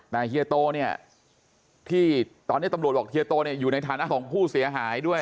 แต่เฮียโตเนี่ยที่ตอนนี้ตำรวจบอกเฮียโตเนี่ยอยู่ในฐานะของผู้เสียหายด้วย